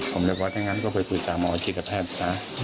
ผมเรียกว่าถ้าอย่างนั้นก็ไปปรุษศาสตร์หมออิทธิกภาพซะ